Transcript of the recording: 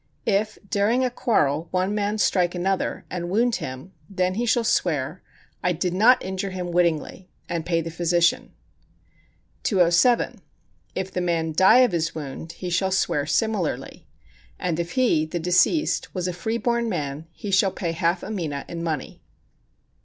If during a quarrel one man strike another and wound him, then he shall swear, "I did not injure him wittingly," and pay the physician. 207. If the man die of his wound, he shall swear similarly, and if he [the deceased] was a free born man, he shall pay half a mina in money.